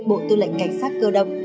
bộ tư lệnh cảnh sát cơ động